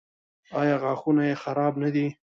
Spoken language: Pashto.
ایا غاښونه یې خراب نه دي؟